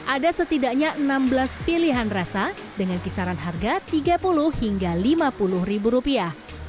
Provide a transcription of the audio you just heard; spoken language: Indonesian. ada setidaknya enam belas pilihan rasa dengan kisaran harga tiga puluh hingga lima puluh ribu rupiah